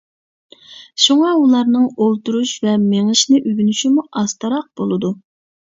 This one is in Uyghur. شۇڭا ئۇلارنىڭ ئولتۇرۇش ۋە مېڭىشنى ئۆگىنىشىمۇ ئاستىراق بولىدۇ.